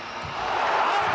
アウト！